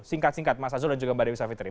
singkat singkat mas azul dan juga mbak dewi savitri